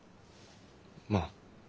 まあ。